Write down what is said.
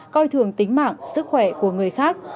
coi thường tính mạng sức khỏe của người khác